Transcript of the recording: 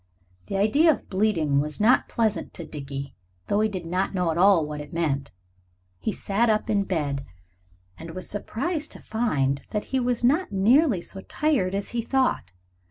The idea of bleeding was not pleasant to Dickie, though he did not at all know what it meant. He sat up in bed, and was surprised to find that he was not nearly so tired as he thought.